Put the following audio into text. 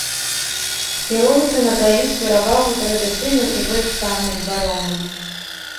Кіроўцы надаюць перавагу традыцыйным і больш танным паромам.